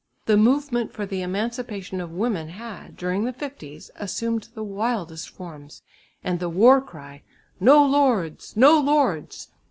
The movement for the emancipation of women had during the fifties, assumed the wildest forms, and the war cry, "No lords! No lords!"